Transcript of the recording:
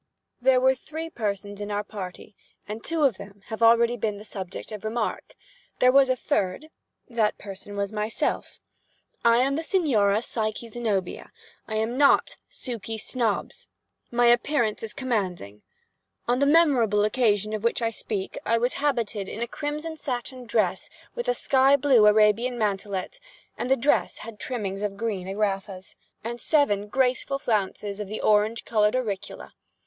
There were three persons in our party, and two of them have already been the subject of remark. There was a third—that person was myself. I am the Signora Psyche Zenobia. I am not Suky Snobbs. My appearance is commanding. On the memorable occasion of which I speak I was habited in a crimson satin dress, with a sky blue Arabian mantelet. And the dress had trimmings of green agraffas, and seven graceful flounces of the orange colored auricula.